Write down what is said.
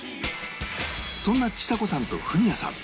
そんなちさ子さんとフミヤさん